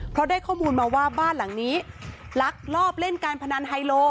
เพราะได้ข้อมูลมาว่าบ้านหลังนี้ลักลอบเล่นการพนันไฮโล